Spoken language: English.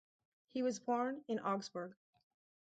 He was born in Augsburg.